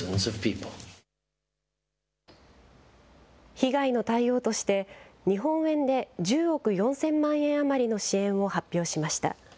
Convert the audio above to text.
被害の対応として、日本円で１０億４０００万円余りの支援を発表しました。